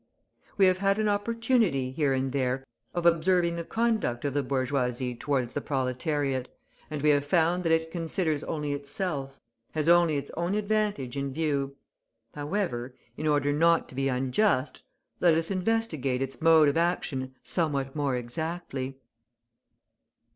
We have had an opportunity, here and there, of observing the conduct of the bourgeoisie towards the proletariat, and we have found that it considers only itself, has only its own advantage in view. However, in order not to be unjust, let us investigate its mode of action somewhat more exactly.